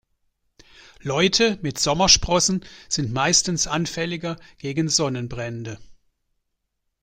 Leute mit Sommersprossen sind meistens anfälliger gegen Sonnenbrände.